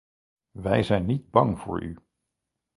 Wij zijn niet bang voor u!